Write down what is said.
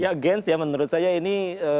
ya against ya menurut saya ini